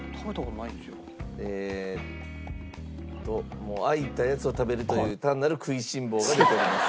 えーともう開いたやつを食べるという単なる食いしん坊が出ております。